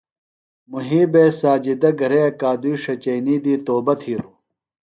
محیبے سجادہ گھرے اکادئی ݜچئینی دی توبہ تِھلوۡ۔